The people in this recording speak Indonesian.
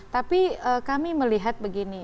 tapi kami melihat begini